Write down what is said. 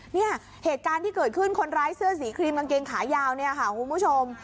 เนี่ยเหตุการณ์ที่เกิดขึ้นคนร้ายเสื้อสีครีมกางเกงขายาวเนี่ยค่ะคุณผู้ชม